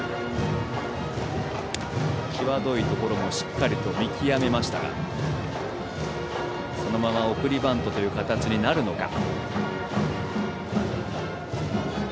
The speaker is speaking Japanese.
際どいところもしっかりと見極めましたがそのまま送りバントという形になるのか。